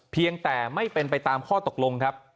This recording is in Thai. เพียงแต่ไม่เป็นไปตามข้อตกลงครับ